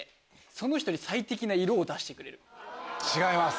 違います。